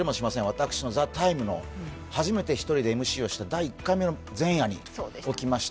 私の「ＴＨＥＴＩＭＥ，」の初めて１人でＭＣをした第１回目の深夜に起きました。